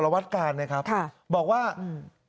เผื่อ